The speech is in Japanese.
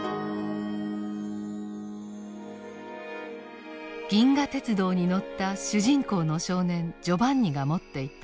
銀河鉄道に乗った主人公の少年ジョバンニが持っていた謎の切符。